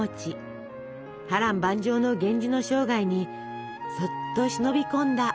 波乱万丈の源氏の生涯にそっと忍び込んだお菓子でした。